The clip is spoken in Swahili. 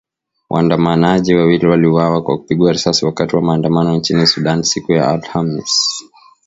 Waandamanaji wawili waliuawa kwa kupigwa risasi wakati wa maandamano nchini Sudan siku ya Alhamis